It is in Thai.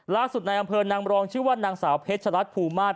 ล่าสุดในอำเภอนางมรองชื่อว่านางสาวเพชรรัฐภูมิมาตร